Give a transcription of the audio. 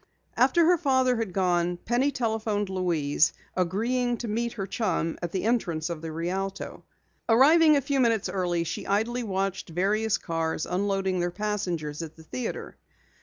After her father had gone, Penny telephoned Louise, agreeing to meet her chum at the entrance of the Rialto. Arriving a few minutes early, she idly watched various cars unloading their passengers at the theatre.